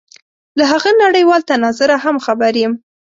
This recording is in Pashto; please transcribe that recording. له هغه نړېوال تناظر هم خبر یم.